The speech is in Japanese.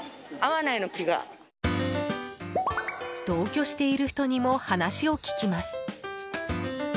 同居している人にも話を聞きます。